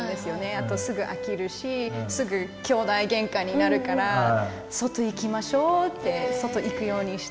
あとすぐ飽きるしすぐきょうだいげんかになるから外行きましょうって外行くようにして。